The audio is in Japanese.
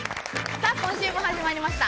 さあ今週も始まりました。